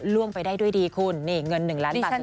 ล่วงไปได้ด้วยดีคุณนี่เงิน๑ล้านบาท